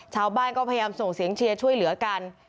ชาวบ้านก็พยายามส่งเสียงเชียร์ช่วยเหลือกัน